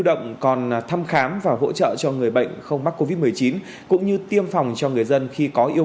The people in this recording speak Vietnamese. đó cũng là hình ảnh đẹp của người chiến sĩ công an vì nhân dân phục vụ